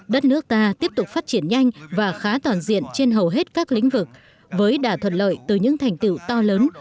đất nước ta tiếp tục phát triển nhanh và khá toàn diện trên hầu hết các lĩnh vực với đả thuận lợi từ những thành tựu to lớn